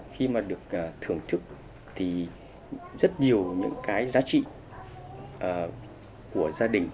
khi mà được thưởng thức thì rất nhiều những cái giá trị của gia đình